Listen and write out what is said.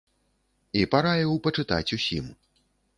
І параіў пачытаць усім.